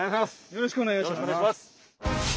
よろしくお願いします。